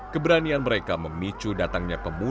keberanian mereka memicu datangnya pemuda